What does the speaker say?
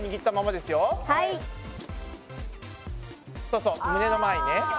そうそう胸の前にね。